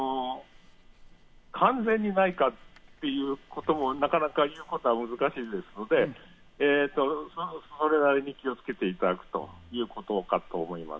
完全にないということもなかなか言うことは難しいですので、それなりに気をつけていただくということかと思います。